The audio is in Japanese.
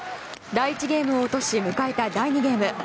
第１ゲームを落とし迎えた第２ゲーム。